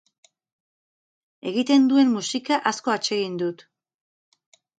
Egiten duen musika asko atsegin dut.